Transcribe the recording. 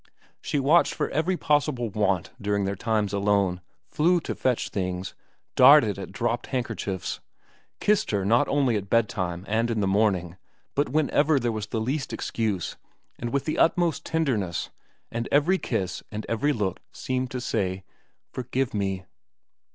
She watched for every possible want during their times alone, flew to fetch things, darted at dropped handkerchiefs, kissed her not only at bedtime and in the morning but when ever there was the least excuse and with the utmost tenderness ; and every kiss and every look seemed to say, ' Forgive me.'